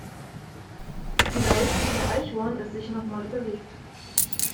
Vielleicht hat Herr Eichhorn es sich noch mal überlegt.